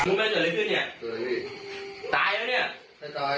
นี่อยู่บ้านเองเนี่ยรู้เรื่องไหมเนี่ย